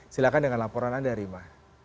silahkan dengan laporan anda rima